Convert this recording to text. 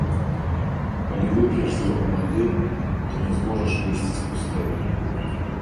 Калі вып'еш з яго вады, то не зможаш выйсці з пустэльні.